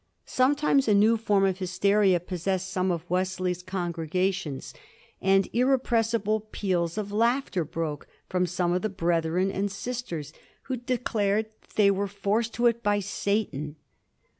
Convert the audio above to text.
Sometimes a new form of hysteria possessed some of Wesley's congregations, and irrepressible peals of laugh ter broke from some of the brethren and sisters, who de clared that they were forced to it by Satan.